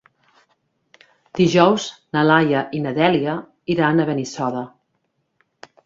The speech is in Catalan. Dijous na Laia i na Dèlia iran a Benissoda.